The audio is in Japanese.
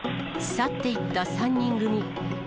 去っていった３人組。